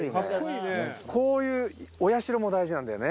こういうお社も大事なんだよね。